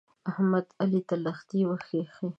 احمد؛ علي ته لښتې وکښې.